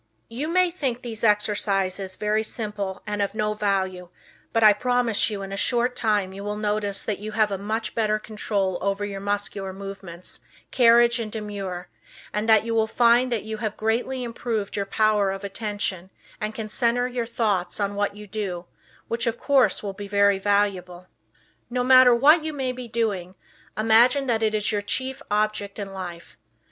You may think these exercises very simple and of no value, but I promise you in a short time you will notice that you have a much better control over your muscular movements, carriage and demeanor, and you will find that you have greatly improved your power of attention, and can center your thoughts on what you do, which of course will be very valuable. No matter what you may be doing, imagine that it is your chief object in life.